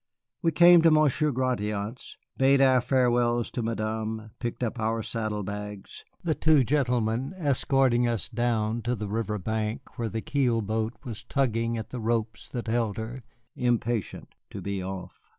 We came to Monsieur Gratiot's, bade our farewells to Madame, picked up our saddle bags, the two gentlemen escorting us down to the river bank where the keel boat was tugging at the ropes that held her, impatient to be off.